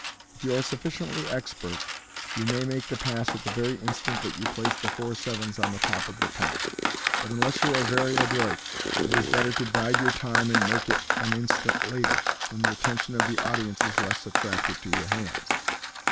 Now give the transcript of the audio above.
If you are sufficient!? expert, you may make the pass at the very instant that you place the four sevens on the top of the pack ; but, unless you are very adroit, it is better to bide your time and make it an instant later, when the attention of the audience is less attracted to your hands.